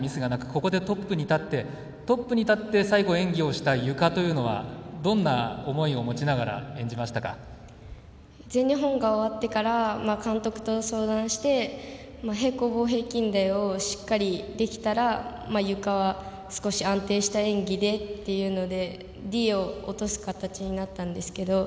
ここでトップに立ってトップで最後演技をしたゆかというのはどんな思いを持ちながら全日本が終わってから監督と相談して平行棒、平均台をしっかりできたらゆかは少し安定した演技でというのでＤを落とす形になったんですけど